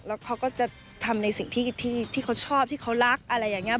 แล้วเขาก็จะทำในสิ่งที่เขาชอบที่เขารักอะไรอย่างนี้